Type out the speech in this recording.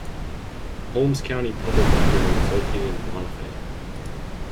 Holmes County Public Library is located in Bonifay.